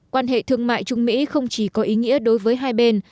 quan hệ thương mại trung mỹ không chỉ có ý nghĩa đối với hai bên